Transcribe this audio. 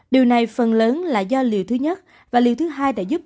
điều này phần lớn là do liều thứ nhất và liều thứ hai đã giúp